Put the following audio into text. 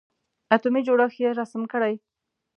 اتومي جوړښت یې رسم کړئ.